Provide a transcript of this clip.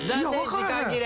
時間切れ。